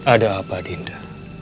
apa yang terjadi dinda